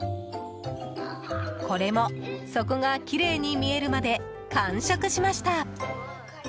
これも底がきれいに見えるまで完食しました。